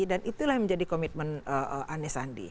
dan itulah yang menjadi komitmen anies sandi